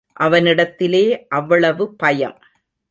அவனிடத்திலே அவ்வளவு பயம்.